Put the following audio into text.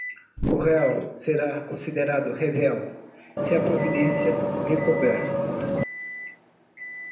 o réu será considerado revel, se a providência lhe couber;